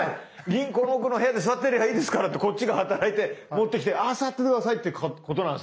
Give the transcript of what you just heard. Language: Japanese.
銀行の奥の部屋で座ってればいいですからってこっちが働いて持ってきてあ座って下さいっていうことなんですね。